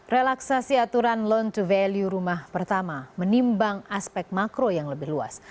relaksasi aturan loan to value rumah pertama menimbang aspek makro yang lebih luas